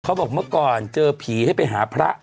เขาบอกเมื่อก่อนเจอผีให้ไปหาพระ